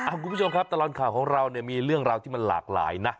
คุณผู้ชมครับตลอดข่าวของเราเนี่ยมีเรื่องราวที่มันหลากหลายนะ